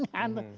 ini harus ada